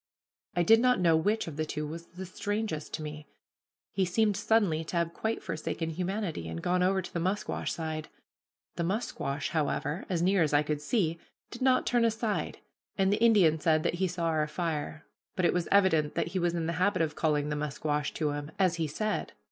I did not know which of the two was the strangest to me. He seemed suddenly to have quite forsaken humanity, and gone over to the musquash side. The musquash, however, as near as I could see, did not turn aside, and the Indian said that he saw our fire; but it was evident that he was in the habit of calling the musquash to him, as he said.